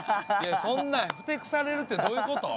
そんなふてくされるってどういうこと？